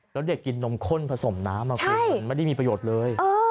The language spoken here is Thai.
แล้วเด็กกินนมข้นผสมน้ำคุณไม่ได้มีประโยชน์เลย